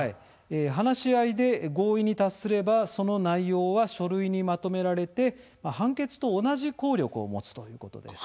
話し合いで合意に達すればその内容は書類にまとめられて判決と同じ効力を持つということです。